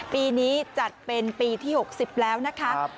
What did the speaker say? ปีนี้จัดเป็นปีที่๖๐แล้วนะคะ